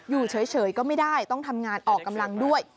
อยู่เฉยก็ไม่ได้ต้องทำงานออกกำลังด้วย